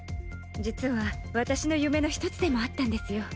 実は私の夢の一つでもあったんですよ。